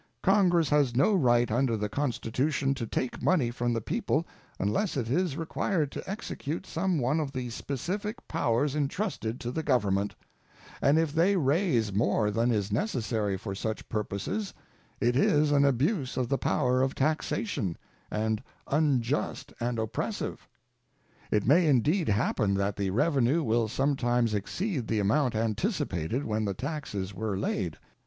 Congress has no right under the Constitution to take money from the people unless it is required to execute some one of the specific powers intrusted to the Government; and if they raise more than is necessary for such purposes, it is an abuse of the power of taxation, and unjust and oppressive. It may indeed happen that the revenue will sometimes exceed the amount anticipated when the taxes were laid.